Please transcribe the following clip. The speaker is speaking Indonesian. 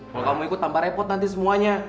kalau kamu ikut tambah repot nanti semuanya